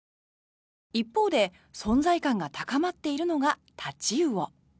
一方で存在感が高まっているのがタチウオ。